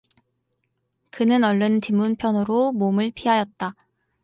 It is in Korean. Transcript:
그는 얼른 뒷문 편으로 몸을 피하였다.